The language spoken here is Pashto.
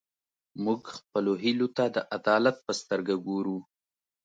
موږ خپلو هیلو ته د عدالت په سترګه ګورو.